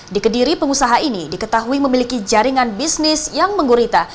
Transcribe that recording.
di kediri pengusaha ini diketahui memiliki jaringan bisnis yang menggurita